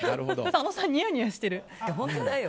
佐野さん、ニヤニヤしてる。